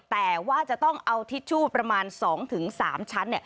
แต่ว่าจะต้องเอาทิชชู่ประมาณ๒๓ชั้น